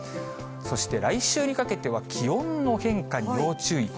そして来週にかけては、気温の変化に要注意。